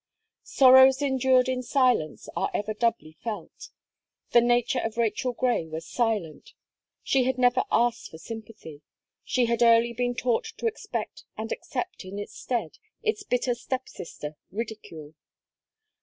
Sorrows endured in silence are ever doubly felt. The nature of Rachel Gray was silent; she had never asked for sympathy; she had early been taught to expect and accept in its stead, its bitter step sister Ridicule.